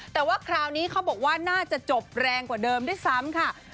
แต่ว่าคราวนี้เขาบอกว่าน่าจะจบแรงกว่าเดิมด้วยซ้ำค่ะ